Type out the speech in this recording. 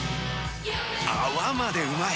泡までうまい！